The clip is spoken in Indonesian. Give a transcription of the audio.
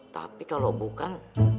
tapi kalau bukan